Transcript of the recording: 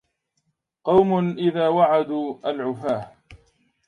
قوم إذا وعدوا العفاة